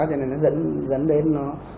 cho nên nó dẫn đến